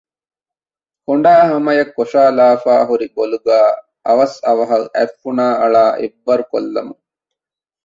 ކޮނޑާ ހަމަޔަށް ކޮށާލައިފައި ހުރި ބޮލުގައި އަވަސް އަވަހަށް އަތްފުނާއަޅާ އެއްވަރު ކޮށްލަމުން